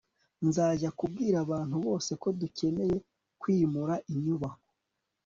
nzajya kubwira abantu bose ko dukeneye kwimura inyubako